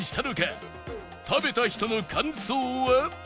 食べた人の感想は